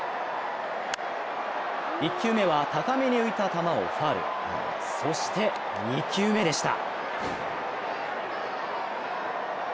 １球目は高めに浮いた球をファウルそして２球目でした。